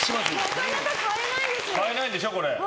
なかなか買えないんですよ。